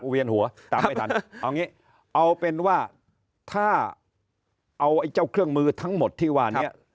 เอาเป็นว่าถ้าเอาไอ้เจ้าเครื่องมือทั้งหมดที่วานี้